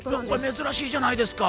珍しいじゃないですか。